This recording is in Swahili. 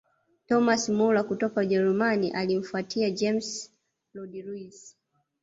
thomas muller kutoka ujerumani alimfuatia james rodriguez